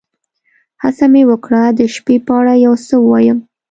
هڅه مې وکړه د شپې په اړه یو څه ووایم.